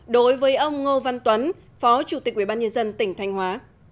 đối với ông ngô văn tuấn phó chủ tịch ủy ban nhân dân tỉnh thanh hóa